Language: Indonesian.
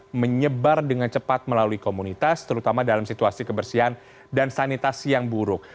yang menyebar dengan cepat melalui komunitas terutama dalam situasi kebersihan dan sanitasi yang buruk